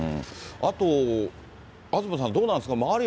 あと、東さん、どうなんですか、周り